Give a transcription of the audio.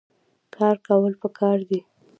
کار کول پکار دي